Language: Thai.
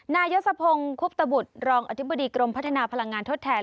นายศพคุบตบุตรรองอธิบดีกรมพัฒนาพลังงานทดแทน